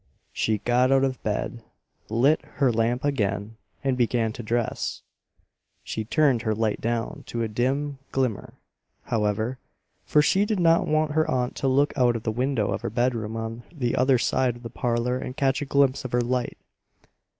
She got out of bed, lit her lamp again and began to dress. She turned her light down to a dim glimmer, however, for she did not want her aunt to look out of the window of her bedroom on the other side of the parlor and catch a glimpse of her light.